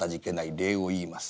礼を言います。